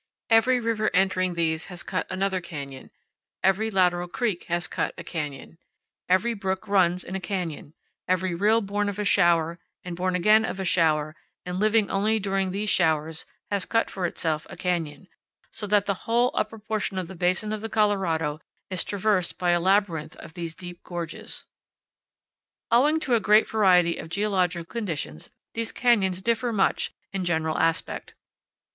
Every river entering these has cut another canyon; every lateral creek has cut a canyon; every brook runs in a canyon; every rill born of a shower and born again of a shower and living only during these showers has cut for itself a canyon; so that powell canyons 10.jpg APACHE BASKET 30 CANYONS OF THE COLORADO. the whole upper portion of the basin of the Colorado is traversed by a labyrinth of these deep gorges. Owing to a great variety of geological conditions, these canyons differ much in general aspect.